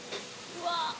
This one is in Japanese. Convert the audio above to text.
うわ。